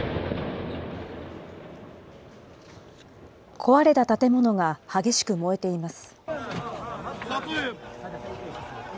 壊れた建物が激しく燃えています。